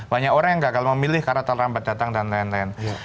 banyak orang yang gagal memilih karena terlambat datang dan lain lain